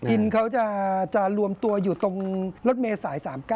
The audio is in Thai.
อินเขาจะรวมตัวอยู่ตรงรถเมย์สาย๓๙